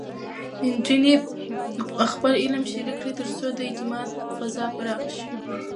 نجونې خپل علم شریک کړي، ترڅو د اعتماد فضا پراخه شي.